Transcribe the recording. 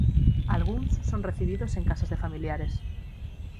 Algúns son recibidos en casas de familiares.